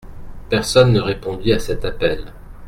Personne ne répondit à cet appel.